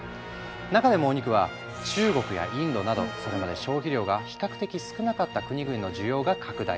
中でもお肉は中国やインドなどそれまで消費量が比較的少なかった国々の需要が拡大。